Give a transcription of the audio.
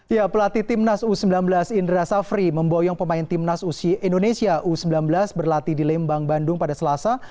ya pelatih tim nas u sembilan belas indra safri memboyong pemain tim nas u sembilan belas indonesia berlatih di lembang bandung pada selasa